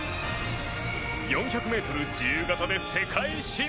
４００ｍ自由形で世界新。